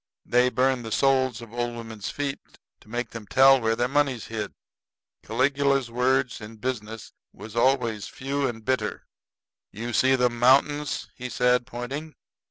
They burn the soles of old women's feet to make them tell where their money's hid." Caligula's words in business was always few and bitter. "You see them mountains," said he, pointing.